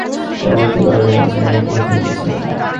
আমি দুঃখিত, যে আমি সময়মতো দেখা করতে পারবো না, যেমনটা কথা দিয়েছিলাম।